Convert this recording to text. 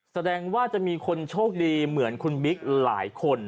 แสดงว่าจะมีคนโชคดีเหมือนคุณบิ๊กหลายคน